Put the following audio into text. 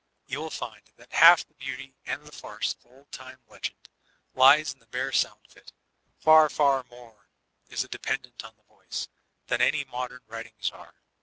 You will find that half the beauty and the farce of old time legend lies in the bare sound of it Far, far more is it dependent on the voice, than any modem writings are.